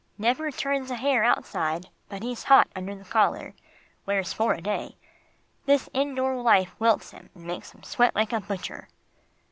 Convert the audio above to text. "Never turns a hair outside, but he's hot under the collar wears four a day. This indoor life wilts him, and makes him sweat like a butcher."